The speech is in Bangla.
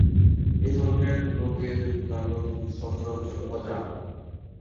এ ধরনের রোগের কারণ সচারচর অজানা।